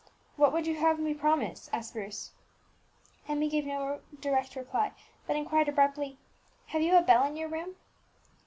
"What would you have me promise?" asked Bruce. Emmie gave no direct reply, but inquired abruptly, "Have you a bell in your room?"